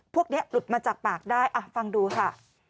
พวกนี้หลุดมาจากปากได้ฟังดูค่ะ